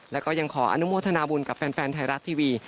แล้วก็ยังขออนุโมทนาบุญกับแฟนไทยรัฐทีวี